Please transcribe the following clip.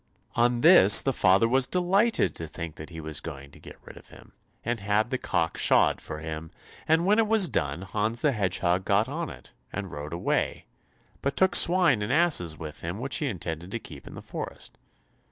On this, the father was delighted to think that he was going to get rid of him, and had the cock shod for him, and when it was done, Hans the Hedgehog got on it, and rode away, but took swine and asses with him which he intended to keep in the forest.